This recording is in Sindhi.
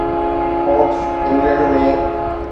pox England ۾